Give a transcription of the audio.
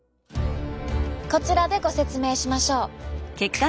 こちらでご説明しましょう。